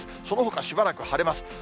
そのほかしばらく晴れます。